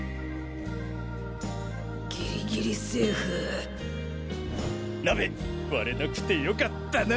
ギリギリセーフ鍋割れなくてよかったな。